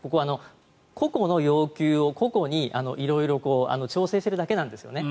個々の要求を、個々に色々調整しているだけなんですよね。